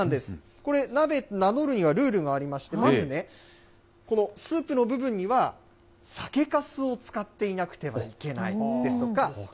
これ、鍋名乗るにはルールがありまして、まずね、このスープの部分には酒かすを使っていなくてはいけないですとか。